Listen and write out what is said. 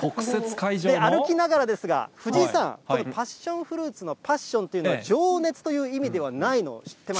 歩きながらですが、藤井さん、パッションフルーツのパッションというのは、情熱という意味では違うの？